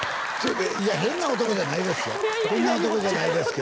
いや変な男じゃないですよ